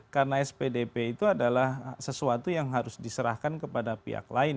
karena spdp itu adalah sesuatu yang harus diserahkan kepada pihak lain